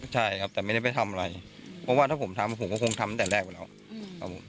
ใช่ครับแต่ไม่ได้ไปทำอะไรเพราะว่าถ้าผมทำผมก็คงทำตั้งแต่แรกไปแล้วครับผม